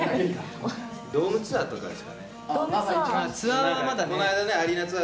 ドームツアーとかですかね。